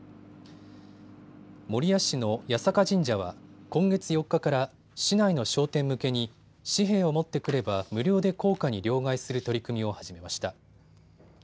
守谷市の八坂神社は今月４日から市内の商店向けに紙幣を持ってくれば無料で硬貨に両替する取り組みを始めました。